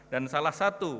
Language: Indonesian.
dan salah satu